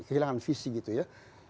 kehilangan visi gitu ya